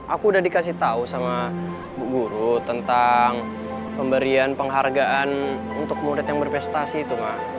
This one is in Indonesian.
aku udah dikasih tahu sama guru tentang pemberian penghargaan untuk murid yang berprestasi itu